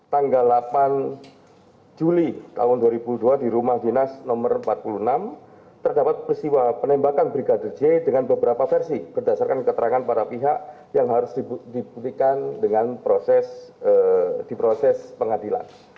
tanggal delapan juli tahun dua ribu dua di rumah dinas nomor empat puluh enam terdapat peristiwa penembakan brigadir j dengan beberapa versi berdasarkan keterangan para pihak yang harus dibuktikan dengan proses di proses pengadilan